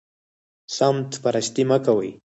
سمت پرستي مه کوئ